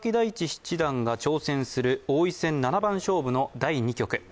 七段が挑戦する王位戦七番勝負の第２局。